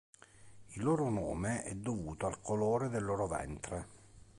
Il loro nome è dovuto al colore del loro ventre.